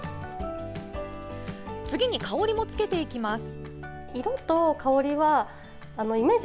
次に、香りもつけていきます。